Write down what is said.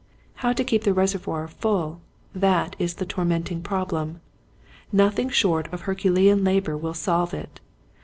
How to keep the reservoir full — that is the tor menting problem. Nothing short of Herculean labor will solve it.